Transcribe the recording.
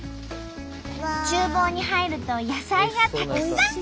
厨房に入ると野菜がたくさん！